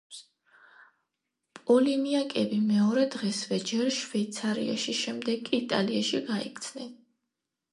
პოლინიაკები მეორე დღესვე ჯერ შვეიცარიაში, შემდეგ კი იტალიაში გაიქცნენ.